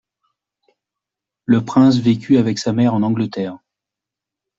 Le prince vécut avec sa mère en Angleterre.